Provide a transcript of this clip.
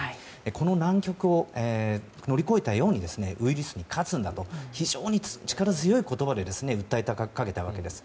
この難局を乗り越えたようにウイルスに勝つんだと非常に力強い言葉で訴えかけたわけです。